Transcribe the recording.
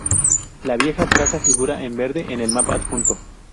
La vieja traza figura en verde en el mapa adjunto.